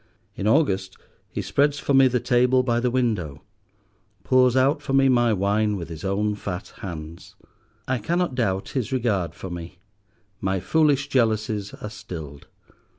In August he spreads for me the table by the window, pours out for me my wine with his own fat hands. I cannot doubt his regard for me: my foolish jealousies are stilled.